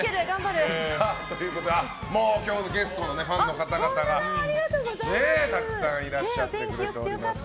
今日のゲストのファンの方々がたくさんいらっしゃってくれております。